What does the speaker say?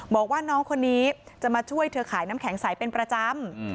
บอกว่าน้องคนนี้จะมาช่วยเธอขายน้ำแข็งใสเป็นประจำ